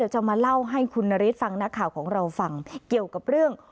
จะมาเล่าให้คุณนฤทธิฟังนักข่าวของเราฟังเกี่ยวกับเรื่อง